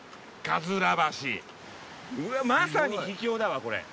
まさに秘境だわこれ。